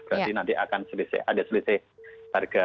jadi nanti akan ada selisih harga